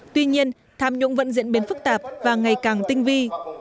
tuy nhiên tham nhũng vẫn diễn biến phức tạp và ngày càng tinh vi